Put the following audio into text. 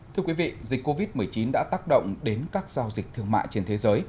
thưa quý vị dịch covid một mươi chín đã tác động đến các giao dịch thương mại trên thế giới